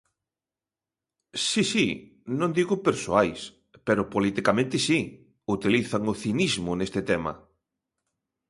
Si, si, non digo persoais, pero politicamente si, utilizan o cinismo neste tema.